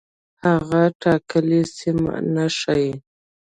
هغه ټاکلې سیمه نه ښيي.